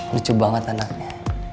lucu banget anaknya